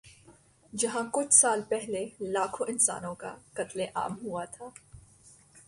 جہاں کچھ سال پہلے لاکھوں انسانوں کا قتل عام ہوا تھا۔